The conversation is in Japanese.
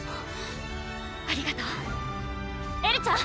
ありがとうエルちゃん！